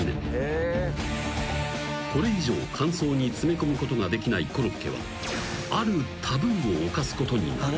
［これ以上間奏に詰め込むことができないコロッケはあるタブーを犯すことになる］